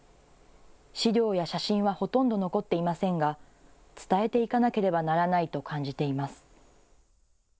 資料や写真はほとんど残っていませんが伝えていかなければならないと感じています。